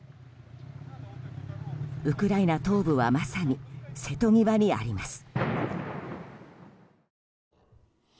ウクライナ東部はまさに瀬戸際にあります。